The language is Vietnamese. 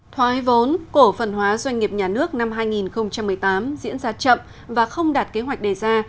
thoái vốn cổ phần hóa doanh nghiệp nhà nước năm hai nghìn một mươi tám diễn ra chậm và không đạt kế hoạch đề ra